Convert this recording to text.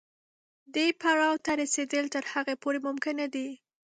دې پړاو ته رسېدل تر هغې پورې ممکن نه دي.